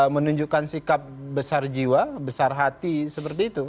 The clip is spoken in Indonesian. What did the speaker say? menunjukkan sikap besar jiwa besar hati seperti itu